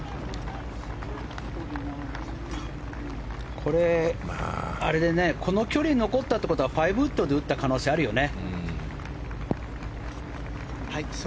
これ、この距離が残ったってことは５ウッドで打った可能性あるよね。